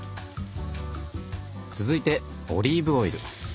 続いてオリーブオイル。